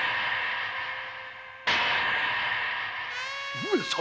上様！